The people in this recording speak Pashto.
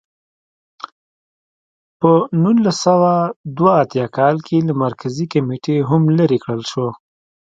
په نولس سوه دوه اتیا کال کې له مرکزي کمېټې هم لرې کړل شو.